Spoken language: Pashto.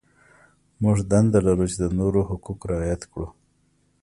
موږ دنده لرو چې د نورو حقوق رعایت کړو.